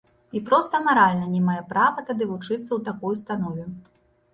І проста маральна не мае права тады вучыцца ў такой установе.